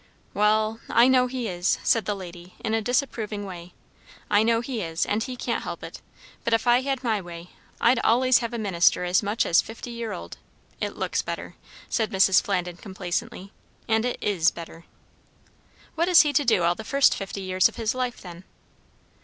"Wall I know he is," said the lady in a disapproving way. "I know he is; and he can't help it; but if I had my way, I'd allays have a minister as much as fifty year old. It looks better," said Mrs. Flandin complacently; "and it is better." "What is he to do all the first fifty years of his life then?"